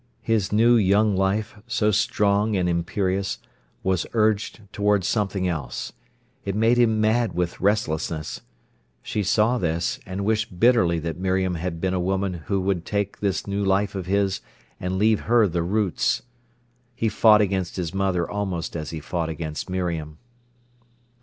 His new young life, so strong and imperious, was urged towards something else. It made him mad with restlessness. She saw this, and wished bitterly that Miriam had been a woman who could take this new life of his, and leave her the roots. He fought against his mother almost as he fought against Miriam.